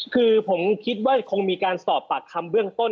คือผมคิดว่าคงมีการสอบปากคำเบื้องต้น